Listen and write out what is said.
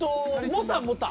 モタモタ。